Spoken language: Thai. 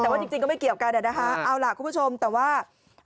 แต่ว่าจริงก็ไม่เกี่ยวกันนะคะเอาล่ะคุณผู้ชมแต่ว่า